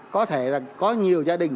có thể là có nhiều gia đình